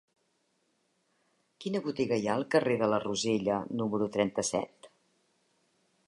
Quina botiga hi ha al carrer de la Rosella número trenta-set?